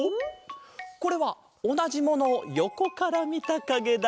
これはおなじものをよこからみたかげだ！